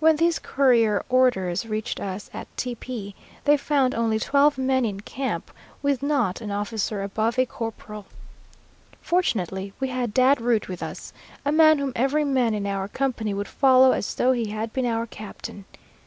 When these courier orders reached us at Tepee, they found only twelve men in camp, with not an officer above a corporal. Fortunately we had Dad Root with us, a man whom every man in our company would follow as though he had been our captain.